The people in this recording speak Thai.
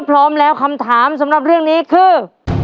พร้อมแล้วคำถามสำหรับเรื่องนี้คือ